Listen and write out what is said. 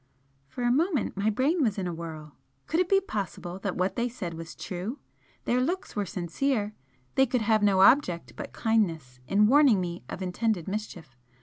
For a moment my brain was in a whirl. Could it be possible that what they said was true? Their looks were sincere, they could have no object but kindness in warning me of intended mischief.